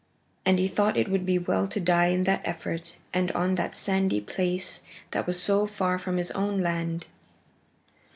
And he thought it would be well to die in that effort and on that sandy place that was so far from his own land.